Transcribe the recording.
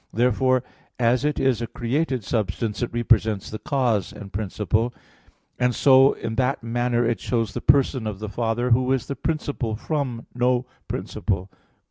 Therefore as it is a created substance, it represents the cause and principle; and so in that manner it shows the Person of the Father, Who is the "principle from no principle."